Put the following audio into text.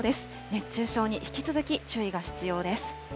熱中症に引き続き注意が必要です。